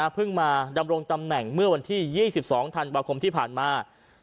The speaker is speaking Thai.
เพิ่งมาดำรงตำแหน่งเมื่อวันที่๒๒ธันตร์ประคมที่ผ่านมา